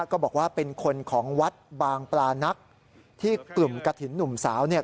ก็บอกว่าเป็นคนของวัดบางปลานักที่กลุ่มกระถิ่นหนุ่มสาวเนี่ย